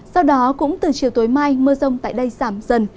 sau đó cũng từ chiều tối mai mưa rông tại đây giảm dần